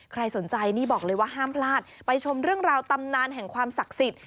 ใครสนใจนี่บอกเลยว่าห้ามพลาดไปชมเรื่องราวตำนานแห่งความศักดิ์สิทธิ